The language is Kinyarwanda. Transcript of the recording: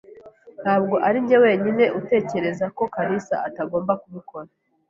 Ntabwo arinjye wenyine utekereza ko kalisa atagomba kubikora.